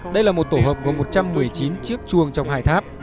đây là một tổ hợp gồm một trăm một mươi chín chiếc chuông trong hai tháp